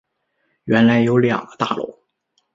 原来有两个大楼